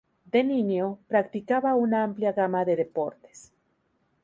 De niño, practicaba una amplia gama de deportes.